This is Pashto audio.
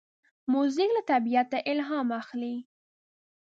موزیک له طبیعته الهام اخلي.